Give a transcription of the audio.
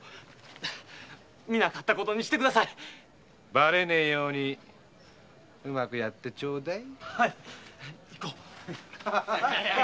バレねぇようにうまくやってちょうだい。